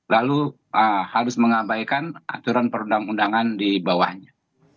lalu harus mengabaikan aturan perundang undangan di bawahnya